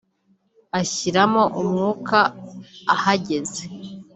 ashiramo umwuka ahageze